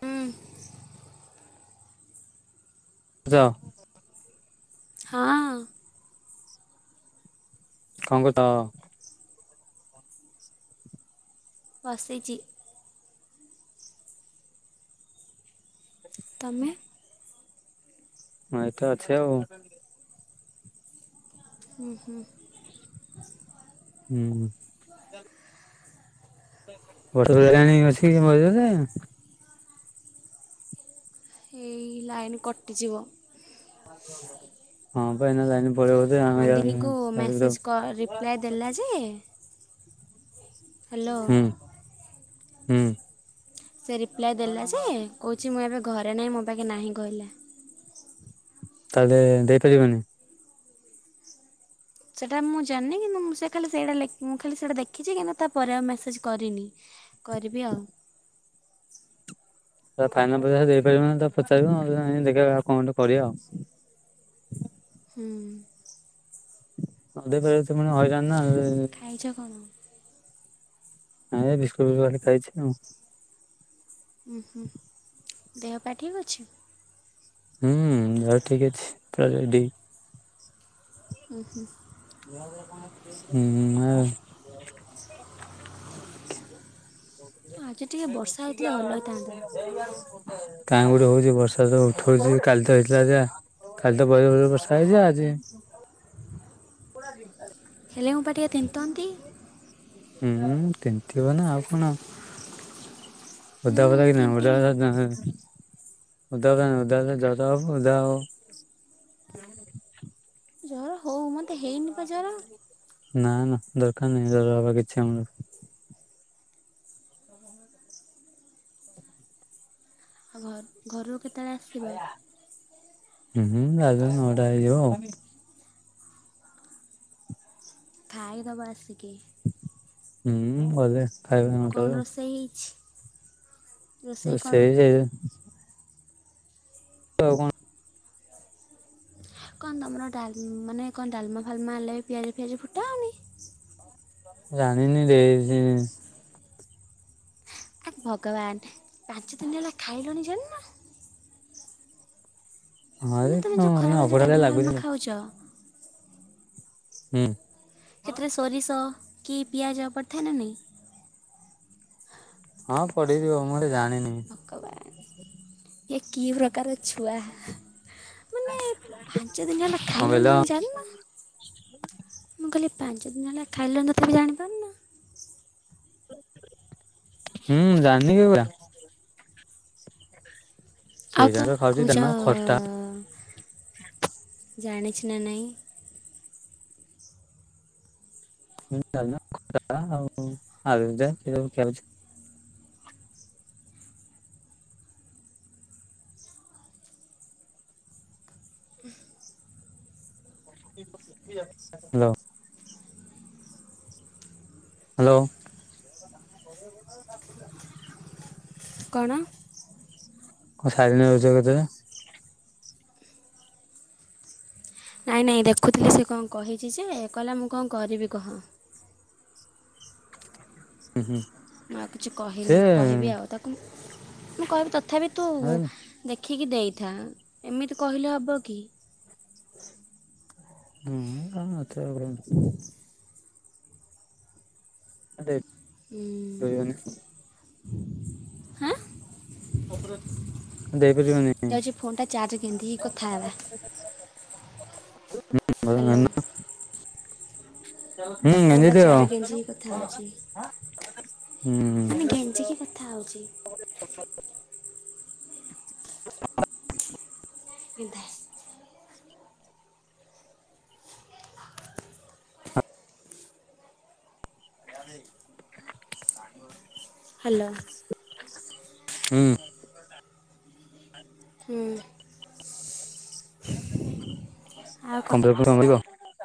ହଁ। ଆ ଯା [unintelligible] ହଁ। କଣ କହୁଥା। [unintelligible] ବସିଛି। ତମେ? ହଁ ଏତ ଅଛ ଆଉ। [unintelligible] ହୁଁ ହୁଁ। ହୁଁ। [inaudible] ବର୍ଷ ଜାଣି ଅଛି। [unintelligible] ଭଜ ଯ [unintelligible] ଏଇ ଲାଇନ୍ କଟିଯିବ। ହଁ ପା ଏନା ଲାଇନ ପଳେଇବ ବୋଧେ ଆମେ ନନ୍ଦିନୀକୁ ହୁଁ ମେସେଜ୍ କ ରିପ୍ଲାଏ ଦେଲା ଯେ ହ୍ୟାଲୋ। ହୁଁ। ସେ ରିପ୍ଲାଏ ଦେଲା ଯେ କହୁଛି ମୁଁ ଏବେ ଘରେ ନାହିଁ ମୋ ପାଖେ ନାହିଁ କହିଲା। ତାହେଲେ ଦେଇପାରିବନି। ସେଇଟା ମୁଁ ଜାଣିନି କିନ୍ତୁ ମୁ ସେ ଖା ମୁଁ ଖାଲି ସେଟା ଦେଖିଛି କିନ୍ତୁ ତାପରେ ଆଉ ମେସେଜ କରିନି କରିବି ଆଉ। ତା ଫାଇନାଲ ପଇସା ଦେଇପାରିବ ପଚାରିବୁ ଦେଖ ଆଉ କଣୁ କର ଆଉ। ହୁଁ। ହଁ ଦେଖାଯାଉ ସେ ମ ହଇରାଣ ନା ଖାଇଛ କଣ ହଁ ବିସ୍କୁଟ ବିସ୍ଟ ଖାଲି ଖାଇଛି ଆଁ। ଉଁ ହୁଁ ଦେହ ପାା ଠିକ୍ ଅଛି? ହୁଁ ଦେହ ଠିକ ଅଛି ପୁରା ରେଡି। ହୁଁ ହୁଁ। ହୁଁ ଆ [unintelligible] ଠିକ ଆଉେ [unintelligible] ଆଜି ଟିକେ ବର୍ଷା ହେଇଥିଲେ ଭଲ ହେଇଥାନ୍ତା କାଁ ଗୋଟେ ହଉଛି ବର୍ଷା ତ ଉଠଉଛି କାଲି ତ ହେଇଥିଲା କାଲି ତ ବ ବର୍ଷା ହେଇଯ ଆଜି। ପୁରା ଦିନ। ହେଲେ ମୁ ପାଟିଆ ତିନ୍ନ୍ତନ୍ତି। ହୁଁ ସେମିତି ହବ ନା ଆଉ କଣ। ହୁଁ ଉଦା ହଦ କି ନା ଓଦା। ତିନ୍ତିବି ଉଦା କ ଉଧା ଯଦ ହବ ଉଦା ହ। ଜହାର। ହ ଆ। ନା ନା ଦରକାର ନାହିଁର ହବା କିଛି ଆମର। ଆଉ ଘ ଘର। କେତେବେଳେ ଆସିବ। ହୁଁ ଆଉ ନୋଡ ଆ। ଖାଇଦବା ଆସିକି। ହୁଁ ହଦେ। କଣ ରୋଷେଇ ହେଇଛି। ରୋଷେଇ ଓ କଣ ସେଇ ସେଇ। ହ କଣ। କଣ ତମର ଡାଲି ମାନେ କଣ ଡାଲମା ଫାଲମା ହେଲେ ପିଆଜ ଫିଆଜ ଫୁଟାଉନି। ଜାଣିନି ଦେଇ। ଏକ ଭଗବାନ ପାଞ୍ଚ ଦିନ ହେଲା ଖାଇଲନି ଜାଣିନ। ମାନେ ତୁମେ ହଁ ଯେଉଁ ଖରାବେଳେ ଯେଉଁ ଅଭଢାରେ ଡାଲମା ଫାଲମା ଲାଗୁଛି। ଖାଉଛ ହୁଁ। ସେଥିରେ ସୋରିଷ। କି ପିଆଜ ପଥାନନି। ହଁ ପଢିଯିବ ମୁଁ ଗୋଟେ ଜାଣିନି। ହୁଁ। ଇ କି ପ୍ରକାର ଛୁଆ। ମାନେ ପାଞ୍ଚ ଦିନ ହେଲା କହିଲ ଖାଇଲଣି ତମେ ଜାଣିନ। [inaudible] ମୁଁ କହିଲି ପାଞ୍ଚ ଦିନ ହେଲା ଖାଇଲନି ତଥାପି ଜାଣିପାରୁନ। ହୁଁ ଜାନ୍ତିି କେରା। ଆଉ ତ ଖାଉଛି କହୁଛ ଡାଲମା ଖଟା ଜାଣିଚି। ନା ନାଇ। ହଁ ଆଉ ଆଉଛି। ହ୍ୟାଲୋ। ହ୍ୟାଲୋ। କଣ। କଣ ସାରିନେ ରଛ କେତେ। ନାଇଁ ନାଇଁ ଦେଖୁଥିଲି ସେ କଣ କହିଛି ଯେ କଲା ମୁଁ କଣ କରିବି କହ। ହୁଁ ହୁଁ। ମୁଁ ଆଉ କିଛି କହିନି କହିବି ଆଉ ସେ ତାକୁ ମୁଁ କହିବି ତ ତଥାପି ତୁ ଦେଖ ଆଖିକି ଦେଇଥା ଏମିତି କହିଲେ ହବ କି ହଁ ହଛ [unintelligible] ଆ ହୁ। ହା। ଯାଉଛି ଫୋନଟା ଚାର୍ଜ କେନ୍ତିି କଥା ହେଲା ହ୍ୟାଲୋ। [inaudible] ଫୋନ ଟା ଚାରଜରେ ଗେଞ୍ଜି ହେ କଥା ହଉଛି। କଥା ହେଉଛି ହୁଁ। [unintelligible] କଧ [unintelligible] ଆ ଭ ସାଙ୍ଗ ହ୍ୟାଲୋ। ହୁଁ। ହୁଁ। ଆଉ କ'ଣ କମଲପୁର କର କ [unintelligible]